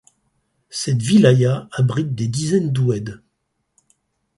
Cette wilaya abrite des dizaines d'oueds.